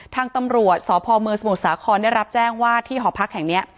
ทางตำรวจสพเมืองสมุทรสาครได้รับแจ้งว่าที่หอพักแห่งนี้